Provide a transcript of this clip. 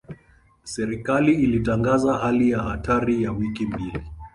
Serikali ilitangaza hali ya hatari ya wiki mbili.